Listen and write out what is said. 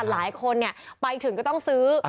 หลายคนไปถึงก็ต้องซื้อ